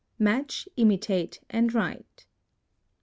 Match, imitate, and write.